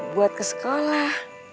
buat ke sekolah